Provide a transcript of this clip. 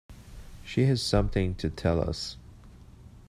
She has something to tell us.